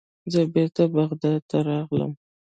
زه بیرته بغداد ته راغلم.